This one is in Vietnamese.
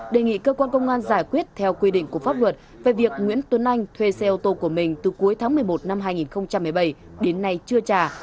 đề nghị cơ quan công an giải quyết theo quy định của pháp luật về việc nguyễn tuấn anh thuê xe ô tô của mình từ cuối tháng một mươi một năm hai nghìn một mươi bảy đến nay chưa trả